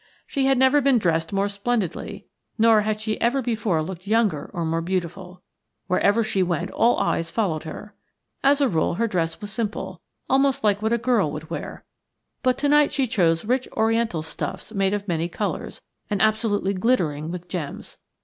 She had never been dressed more splendidly, nor had she ever before looked younger or more beautiful. Wherever she went all eyes followed her. As a rule her dress was simple, almost like what a girl would wear, but tonight she chose rich Oriental stuffs made of many colours, and absolutely glittering with gems.